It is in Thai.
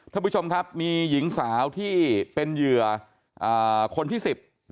ท่านผู้ชมครับมีหญิงสาวที่เป็นเหยื่อคนที่สิบ